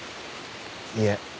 いえ